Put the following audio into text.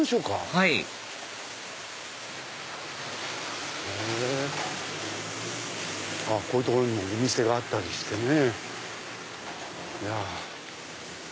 はいこういう所にお店があったりしてね。